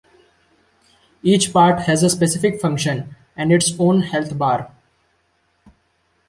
Each part has a specific function and its own health bar.